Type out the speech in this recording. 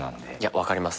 分かります。